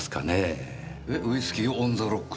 えウイスキーをオン・ザ・ロックで。